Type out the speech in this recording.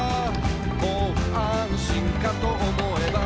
「もう安心かと思えば」